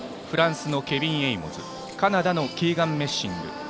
フランスのケビン・エイモズカナダのキーガン・メッシング